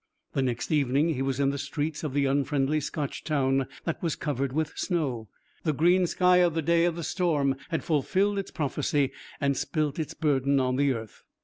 The next evening he was in the streets of the unfriendly Scotch town that was covered with snow. The green sky of the day of the storm had fulfilled its prophecy and spilt its burden on the earth.